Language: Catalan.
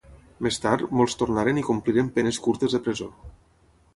Més tard, molts tornaren i compliren penes curtes de presó.